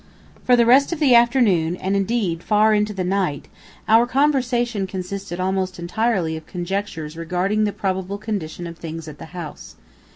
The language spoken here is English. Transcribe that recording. For the rest of the afternoon, and indeed far into the night, our conversation consisted almost entirely of conjectures regarding the probable condition of things at the house.